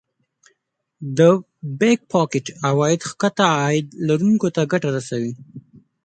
د Back pocket عواید ښکته عاید لرونکو ته ګټه رسوي